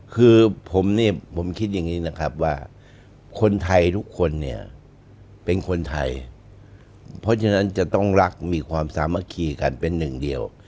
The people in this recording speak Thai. คือผมเนี่ยผมคิดอย่างนี้นะครับว่าคนไทยทุกคนเนี่ยเป็นคนไทยเพราะฉะนั้นจะต้องรักมีความสามัคคีกันเป็นหนึ่งเดียว